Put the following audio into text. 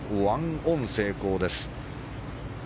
１オン成功です。